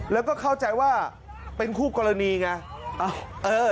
แล้วก็เข้าใจว่าเป็นคู่กรณีไง